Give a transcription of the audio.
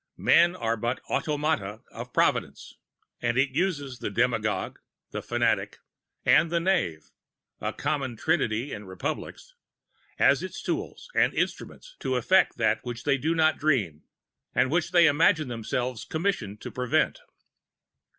Men are but the automata of Providence, and it uses the demagogue, the fanatic, and the knave, a common trinity in Republics, as its tools and instruments to effect that of which they do not dream, and which they imagine themselves commissioned to prevent.